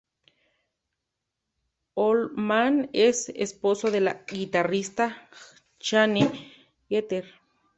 Holzman es esposo de la guitarrista Jane Getter.